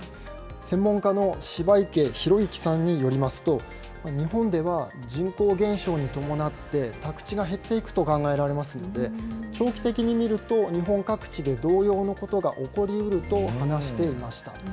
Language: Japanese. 専門家の芝池博幸さんによりますと、日本では人口減少に伴って宅地が減っていくと考えられますので、長期的に見ると、日本各地で同様のことが起こりうると話していました。